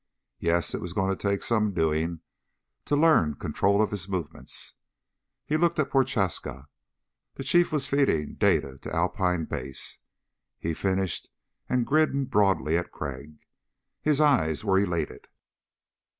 Yeah, it was going to take some doing to learn control of his movements. He looked at Prochaska. The Chief was feeding data to Alpine Base. He finished and grinned broadly at Crag. His eyes were elated.